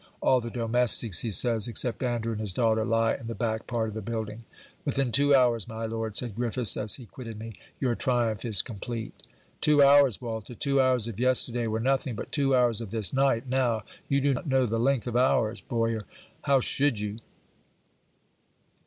All the domestics, he says, except Andrew and his daughter, lie in the back part of the building. 'Within two hours, my lord,' said Griffiths as he quitted me, 'your triumph is complete.' Two hours! Walter, two hours of yesterday were nothing: but two hours of this night! now! You do not know the length of hours, Boyer! how should you?